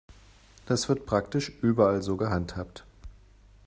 Das wird praktisch überall so gehandhabt.